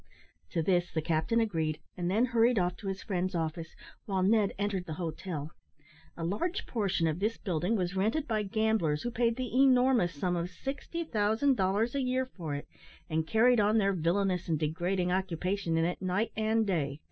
To this the captain agreed, and then hurried off to his friend's office, while Ned entered the hotel. A large portion of this building was rented by gamblers, who paid the enormous sum of 60,000 dollars a year for it, and carried on their villainous and degrading occupation in it night and day.